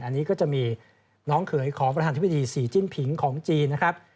อันนี้ก็จะมีน้องเขยของประธานธิบดีศรีจิ้นผิงของจีนนะครับ